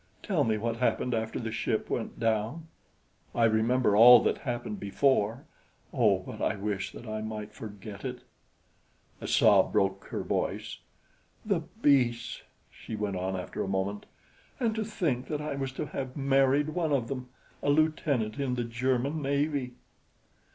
Tell me what happened after the ship went down. I remember all that happened before oh, but I wish that I might forget it!" A sob broke her voice. "The beasts!" she went on after a moment. "And to think that I was to have married one of them a lieutenant in the German navy."